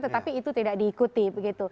tetapi itu tidak diikuti